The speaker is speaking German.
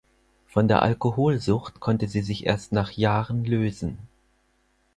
Von der Alkoholsucht konnte sie sich erst nach Jahren lösen.